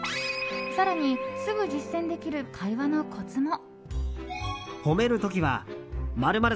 更に、すぐ実践できる会話のコツも。